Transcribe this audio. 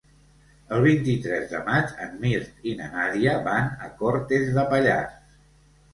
El vint-i-tres de maig en Mirt i na Nàdia van a Cortes de Pallars.